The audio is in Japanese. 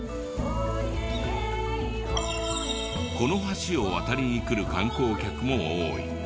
この橋を渡りに来る観光客も多い。